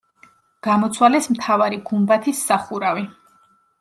გამოცვალეს მთავარი გუმბათის სახურავი.